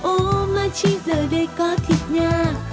omachi giờ đây có thịt nha